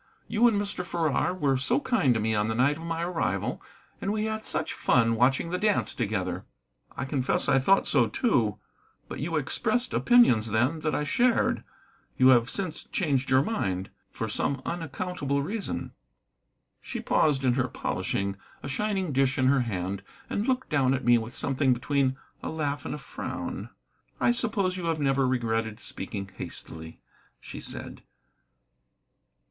"You and Mr. Farrar were so kind to me on the night of my arrival, and we had such fun watching the dance together." "I confess I thought so, too. But you expressed opinions then that I shared. You have since changed your mind, for some unaccountable reason." She paused in her polishing, a shining dish in her hand, and looked down at me with something between a laugh and a frown. "I suppose you have never regretted speaking hastily," she said.